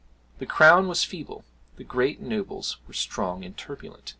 The crown was feeble, the great nobles were strong and turbulent.